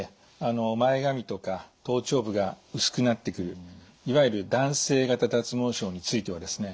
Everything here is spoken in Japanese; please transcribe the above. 前髪とか頭頂部が薄くなってくるいわゆる男性型脱毛症についてはですね